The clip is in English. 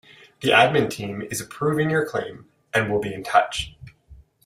The admin team is approving your claim and will be in touch.